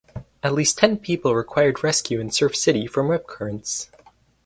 At least ten people required rescue in Surf City from rip currents.